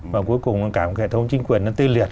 và cuối cùng cả một hệ thống chính quyền nó tê liệt